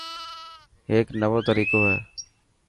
هيڪ نيوو تريقو هي.